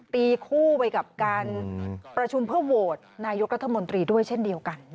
ตีคู่ไปกับการประชุมเพื่อโหวตนายกรัฐมนตรีด้วยเช่นเดียวกัน